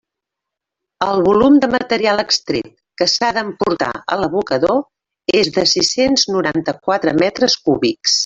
El volum de material extret que s'ha d'emportar a l'abocador és de sis-cents noranta-quatre metres cúbics.